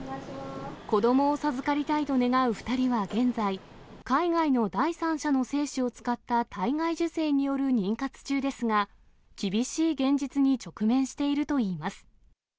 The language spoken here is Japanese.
子どもを授かりたいと願う２人は現在、海外の第三者の精子を使った体外受精による妊活中ですが、厳しい現実に直面しているといいます。